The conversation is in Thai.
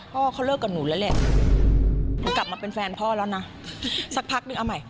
พ่อเขาเลิกกับหนูแล้วแหละหนูกลับมาเป็นแฟนพ่อแล้วนะสักพักนึงเอาใหม่